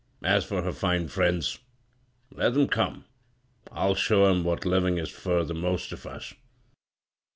As for her fine friends — let 'em come. I'll show 'em what livin' is fur the most of us.